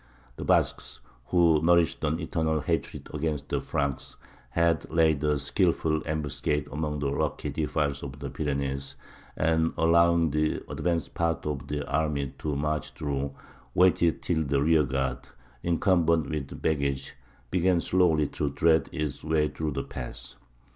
The Basques, who nourished an eternal hatred against the Franks, had laid a skilful ambuscade among the rocky defiles of the Pyrenees, and, allowing the advanced part of the army to march through, waited till the rear guard, encumbered with baggage, began slowly to thread its way through the pass.